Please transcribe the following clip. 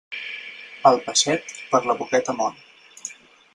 El peixet, per la boqueta mor.